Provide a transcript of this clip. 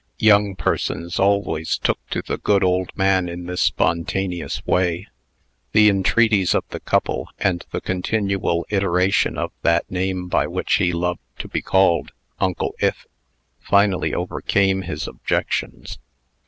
Young persons always took to the good old man in this spontaneous way. The entreaties of the couple, and the continual iteration of that name by which he loved to be called "Uncle Ith" finally overcame his objections.